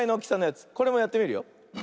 これもやってみるよ。